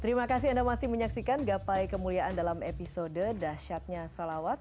terima kasih anda masih menyaksikan gapai kemuliaan dalam episode dasyatnya sholawat